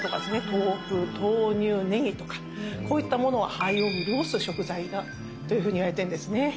豆腐豆乳ねぎとかこういったものは肺をうるおす食材だというふうにいわれてるんですね。